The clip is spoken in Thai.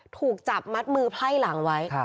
ถูกจับมัดมือไพ่หลังไว้